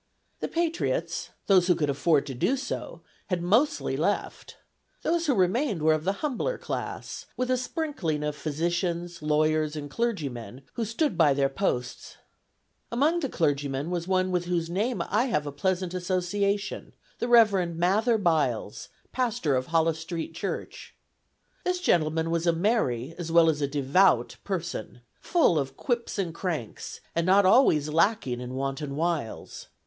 The patriots, those who could afford to do so, had mostly left. Those who remained were of the humbler class, with a sprinkling of physicians, lawyers, and clergymen, who stood by their posts. Among the clergymen was one with whose name I have a pleasant association: the Reverend Mather Byles, pastor of Hollis Street Church. This gentleman was a merry, as well as a devout person; full of quips and cranks, and not always lacking in wanton wiles.